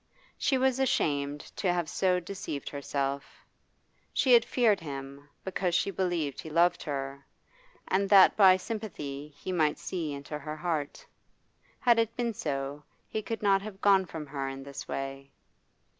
She was ashamed to have so deceived herself; she had feared him, because she believed he loved her, and that by sympathy he might see into her heart. Had it been so, he could not have gone from her in this way.